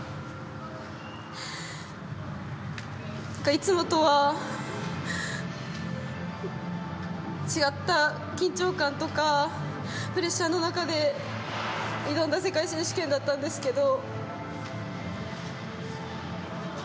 いつもとは違った緊張感とかプレッシャーの中で挑んだ世界選手権だったんですけど。